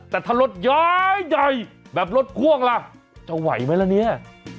แต่ถ้ารถย้ายใหญ่แบบรถพ่วงล่ะจะไหวไหมล่ะเนี่ย